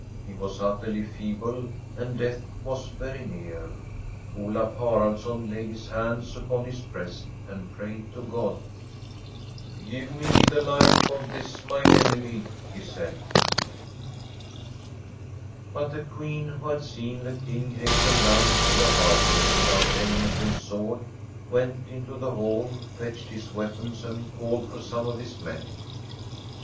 He was utterly feeble, and death was very near. Olaf Haraldsson laid his hands upon his breast and prayed to God. ' Give me the life of this mine enemy,' he said. But the Queen, who had seen the King hasten down to the harbour without helmet and sword, went into the hall, fetched his weapons and called for some of his men.